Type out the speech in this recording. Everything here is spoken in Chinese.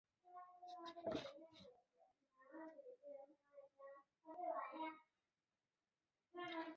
球队的进步十分明显。